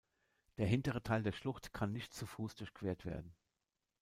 Der hintere Teil der Schlucht kann nicht zu Fuß durchquert werden.